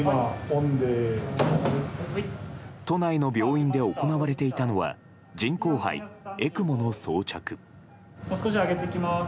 都内の病院で行われていたのは人工肺・ＥＣＭＯの装着。